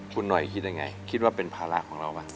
คุณหน่อยคิดยังไงคิดว่าเป็นภาระของเราบ้าง